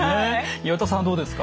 岩田さんはどうですか？